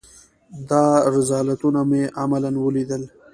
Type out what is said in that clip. دا رذالتونه مې عملاً وليدل.